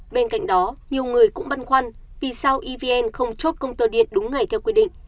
bên cạnh đó nhiều người cũng băn khoăn vì sao evn không chốt công tơ điện đúng ngày theo quy định